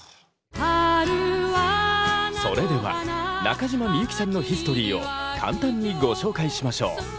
それでは中島みゆきさんのヒストリーを簡単にご紹介しましょう。